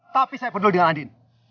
tapi saya penuh dengan andin